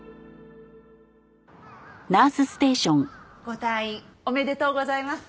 ご退院おめでとうございます。